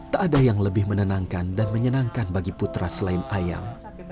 tak ada yang lebih menenangkan dan menyenangkan bagi putra selain ayam